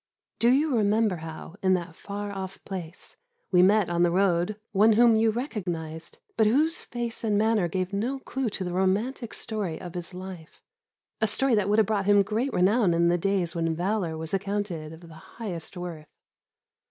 Do you remember how, in that far off place, we met on the road one whom you recognised, but whose face and manner gave no clue to the romantic story of his life, a story that would have brought him great renown in the days when valour was accounted of the highest worth?